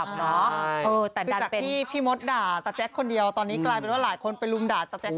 หลังจากที่พี่มดด่าตะแจ๊คคนเดียวตอนนี้กลายเป็นว่าหลายคนไปลุมด่าตะแก๊